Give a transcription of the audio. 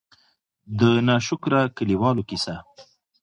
د نا شکره کلي والو قيصه :